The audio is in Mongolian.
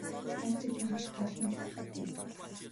Хайрцаг тамхи татаад хэн ч үхдэггүй.